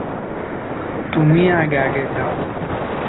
তুমি আগে আগে যাও।